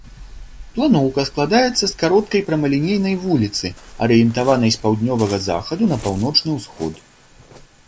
Планоўка складаецца з кароткай прамалінейнай вуліцы, арыентаванай з паўднёвага захаду на паўночны ўсход.